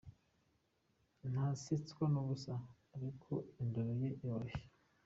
Ntasetswa n’ubusa, ariko indoro ye iroroshye.